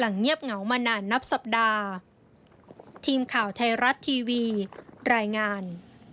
เงียบเหงามานานนับสัปดาห์